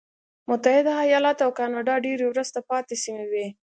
متحده ایالات او کاناډا ډېرې وروسته پاتې سیمې وې.